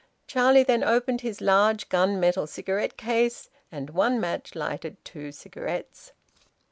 Charlie then opened his large gun metal cigarette case, and one match lighted two cigarettes.